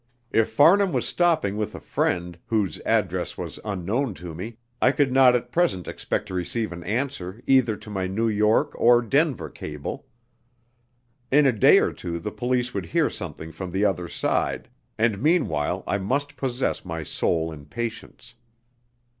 If Farnham was stopping with a friend, whose address was unknown to me, I could not at present expect to receive an answer either to my New York or Denver cable. In a day or two the police would hear something from the other side, and meanwhile I must possess my soul in patience.